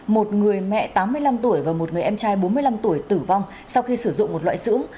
một người mẹ tám mươi năm tuổi và một người em trai bốn mươi năm tuổi tử vong sau khi sử dụng một loại sữa